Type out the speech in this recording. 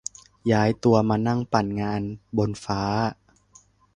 ย้ายตัวมานั่งปั่นงานบนฟ้า